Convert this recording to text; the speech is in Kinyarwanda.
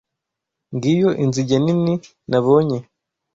Ngiyo inzige nini nabonye.